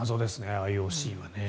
ＩＯＣはね。